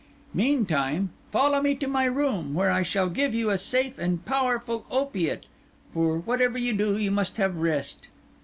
Meantime, follow me to my room, where I shall give you a safe and powerful opiate; for, whatever you do, you must have rest."